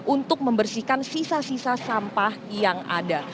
untuk membersihkan sisa sisa sampah yang ada